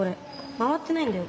回ってないんだよ